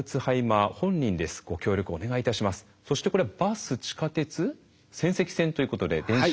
そしてこれはバス地下鉄仙石線ということで電車。